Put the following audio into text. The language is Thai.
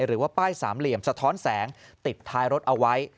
หรือว่าป้ายสามเหลี่ยมสะท้อนแสงติดท้ายรถเอาไว้